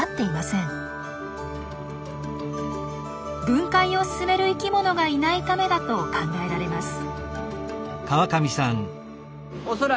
分解を進める生きものがいないためだと考えられます。